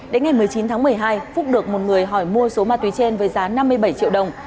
đến ngày một mươi chín tháng một mươi hai phúc được một người hỏi mua số ma túy trên với giá năm mươi bảy triệu đồng